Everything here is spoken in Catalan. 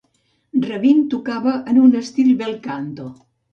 Rabin tocava en un estil bel canto.